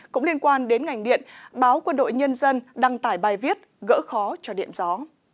cũng liên quan đến ngành điện báo quân đội nhân dân đăng tải bài viết gỡ khó cho điện gió